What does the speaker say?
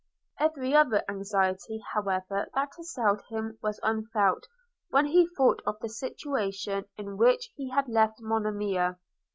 Every other anxiety however that assailed him was unfelt, when he thought of the situation in which he had left Monimia.